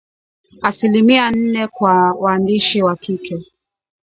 asilimia nne kwa waandishi wa kike